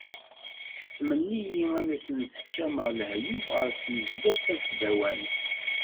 Ḥettmen-iyi ad asen-sekcameɣ lahyuf ɣer tnezduɣt tasdawant.